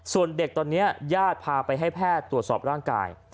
ส่วนเด็กตอนนี้ญาติพาไปให้แพทย์ตรวจสอบร่างกาย